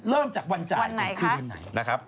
เริ่มจากวันจ่ายก่อนคือวันไหนนะครับ